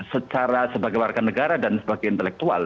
secara sebagai warga negara dan sebagai intelektual